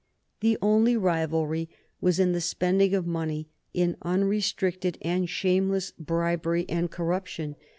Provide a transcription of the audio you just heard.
The only rivalry was in the spending of money in unrestricted and shameless bribery and corruption.